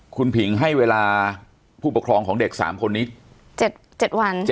คุณผิงให้เวลาผู้ปกครองของเด็ก๓คนนี้๗วัน